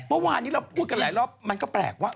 เมื่อวานนี้เราพูดกันหลายรอบมันก็แปลกว่า